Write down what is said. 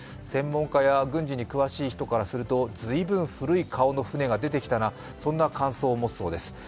専門家や軍事に詳しい人からすると、随分古い顔の船が出てきたな、そんな感想もそうです。